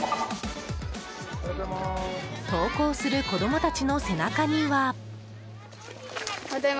登校する子供たちの背中には。